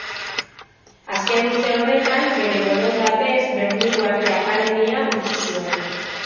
Azken urte horretan, bere borondatez, Berlingo Arte Akademia utzi zuen.